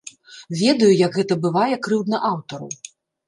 Ведаю, як гэта бывае крыўдна аўтару.